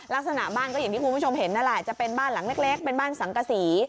ลักษณะบ้านก็อย่างที่คุณผู้ชมเห็นนั่นแหละจะเป็นบ้านหลังเล็กเป็นบ้านสังกษี